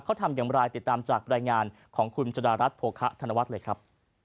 เขาทำอย่างไรติดตามจากรายงานของคุณจดารัฐโภคะธนวัฒน์เลยครับ